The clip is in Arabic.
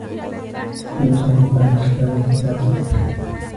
سيساعدك هذا الكتاب في دراستك.